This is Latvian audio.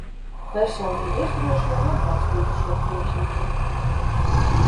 Personīgi es droši vien atbalstītu šo priekšlikumu.